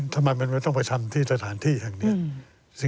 ทำไมมันไม่ต้องไปทำที่สถานที่แห่งนี้